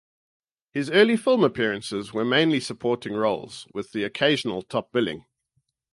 His early film appearances were mainly supporting roles, with the occasional top billing.